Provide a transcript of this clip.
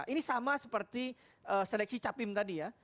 ini sama seperti seleksi capim tadi ya